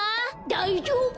だいじょうぶ。